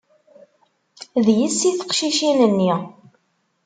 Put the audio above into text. D yessi teqcicin-nni.